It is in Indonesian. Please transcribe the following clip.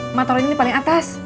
emak taruh ini paling atas